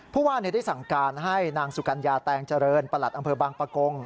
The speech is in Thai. ผู้ว่าได้สั่งการให้นางสุกัญญาแตงเจริญประหลัดอำเภอบางปะกง